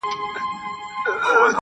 د پوهانو په آند